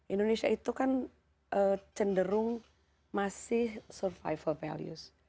indonesia itu kan cenderung masih survival values